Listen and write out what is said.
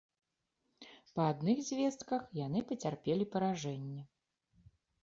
Па адных звестках, яны пацярпелі паражэнне.